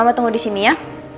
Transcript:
sama tunggu di sini ya